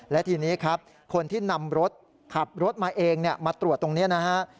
และทีนี้ครับคนที่นำรถขับรถมาเองมาตรวจตรงนี้นะฮะ